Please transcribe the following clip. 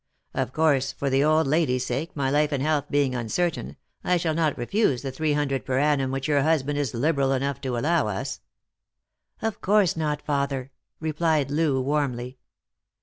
Of course, for the old lady's sake, my life and health being uncertain, I shall not refuse the three hundred per annum which your husband is liberal enough to allow us." " Of course not, father," replied Loo warmly.